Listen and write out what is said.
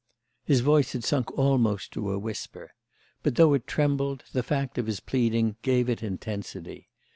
His voice had sunk almost to a whisper, but, though it trembled, the fact of his pleading gave it intensity.